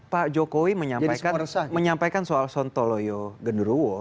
pak jokowi menyampaikan soal sontoloyo gendurowo